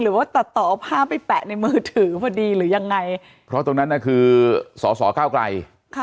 หรือว่าตัดต่อภาพไปแปะในมือถือพอดีป็อกตรงนั้นมันคือส่วนสอสอก้าวกไกร